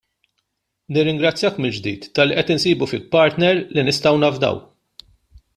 Nirringrazzjak mill-ġdid talli qed insibu fik partner li nistgħu nafdaw.